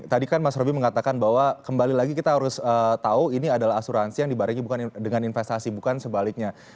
tadi kan mas roby mengatakan bahwa kembali lagi kita harus tahu ini adalah asuransi yang dibarengi dengan investasi bukan sebaliknya